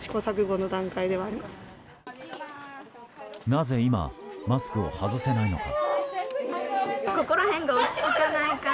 なぜ今マスクを外せないのか。